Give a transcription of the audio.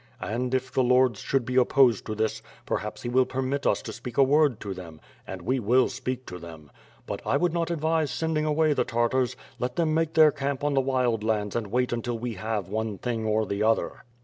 And, if the lords should be opposed to this, perhaps he will permit us to speak a word to them — and we will speak to them. But I would not advise sending away the Tartars. Let them make their camp on the Wild Lands and wait until we have one thing or the other."